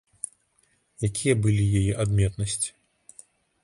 Якія былі яе адметнасці?